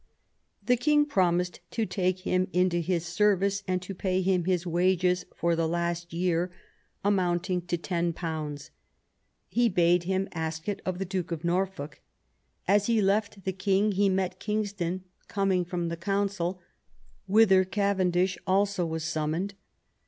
The king promised to take him into his own service, and to pay him his wages for the last year, amounting to 208 THOMAS WOLSEY chap. XIO. He bade him ask it of the Duke of Norfolk As he left the king he met Kingston coming from the Council, whither Cavendish also was summoned.